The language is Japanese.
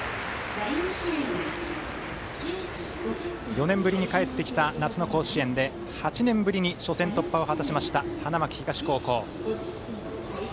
４年ぶりに帰ってきた夏の甲子園で８年ぶりに初戦突破を果たした花巻東高校。